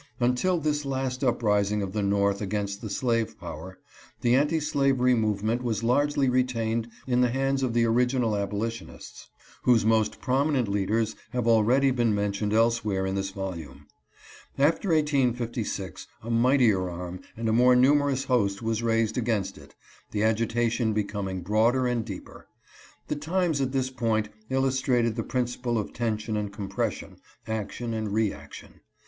Until this last uprising of the North against the slave power the anti slavery movement was largely retained in the hands of the original abolitionists, whose most prominent leaders have already been mentioned elsewhere in this volume. After 1856 a mightier arm and a more numerous host was raised against it, the agitation becoming broader and deeper. The times at this point illustrated the principle LINCOLN AND DOUGLAS. 863 of tension and compression, action and reaction.